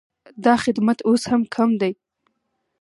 دا خدمت اوس هم کم دی